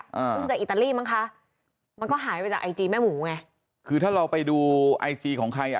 รู้สึกจากอิตาลีมั้งคะมันก็หายไปจากไอจีแม่หมูไงคือถ้าเราไปดูไอจีของใครอ่ะ